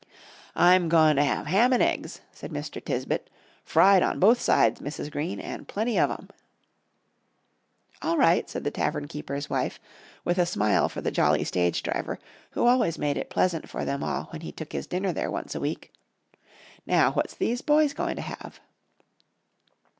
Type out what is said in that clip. "I'm goin' to hev ham an' eggs," said Mr. Tisbett. "Fried on both sides, Mrs. Green, an' plenty of 'em." "All right," said the tavern keeper's wife, with a smile for the jolly stage driver who always made it pleasant for them all when he took his dinner there once a week. "Now, what's these boys goin' to have?"